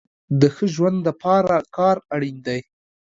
د ښه ژوند د پاره کار اړين دی